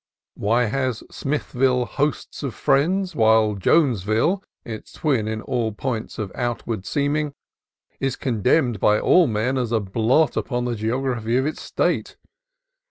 Why has Smithville hosts of friends, while Jonesville, its twin in all points of outward seeming, is contemned by all men as a blot upon the geography of its State?